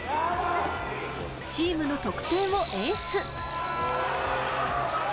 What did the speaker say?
チームの得点を演出。